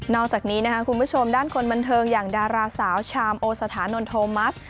อกจากนี้นะคะคุณผู้ชมด้านคนบันเทิงอย่างดาราสาวชามโอสถานนโทมัส